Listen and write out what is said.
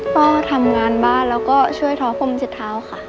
ก็ทำงานบ้านแล้วก็ช่วยท้อผมเสร็จเท้าค่ะ